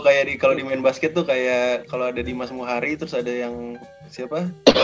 kayak kalau di main basket tuh kayak kalau ada di mas muhari terus ada yang siapa